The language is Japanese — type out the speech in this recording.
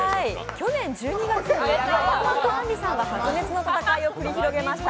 去年１２月に馬場さんとあんりさんが白熱の戦いを繰り広げました。